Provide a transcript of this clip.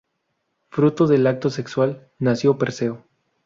Fruto del acto sexual, nació Perseo.